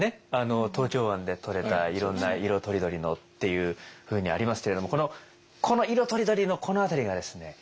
東京湾でとれたいろんな色とりどりのっていうふうにありますけれどもこの「色とりどり」のこの辺りがですね